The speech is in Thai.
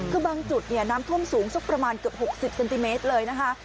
คือบางจุดเนี่ยน้ำท่วมสูงสักประมาณเกือบ๖๐เซนติเมตรเลยนะคะ